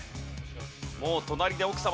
もう隣で奥様